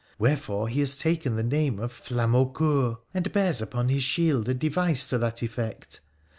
Wherefore he has taken the name of Flamaucoeur, and bears upon his shield a device to that effect.